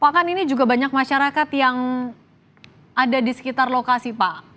apakah ini juga banyak masyarakat yang ada di sekitar lokasi pak